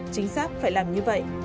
chính xác phải làm như vậy